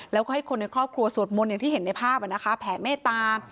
แล้วก็ให้คนในครอบครัวสวดมนต์อย่างที่เห็นในภาพแผ่เมตตา